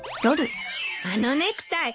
あのネクタイ